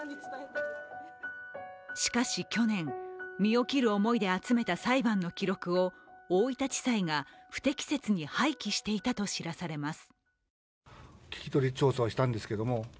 しかし去年、身を切る思いで集めた裁判の記録を大分地裁が不適切に廃棄していたと知らされます。